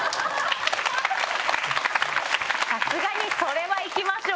さすがにそれは行きましょうよ。